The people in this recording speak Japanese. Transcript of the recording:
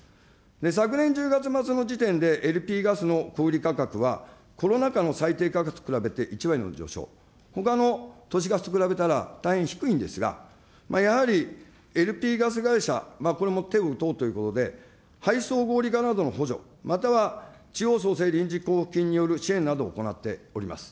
昨年１０月末の時点で、ＬＰガスの小売り価格はコロナ禍の最低価格と比べて１割の上昇、ほかの都市ガスと比べたら大変低いんですが、やはりＬＰガス会社、これも手を打とうということで、配送合理化などの補助、または地方創生臨時交付金による支援などを行っております。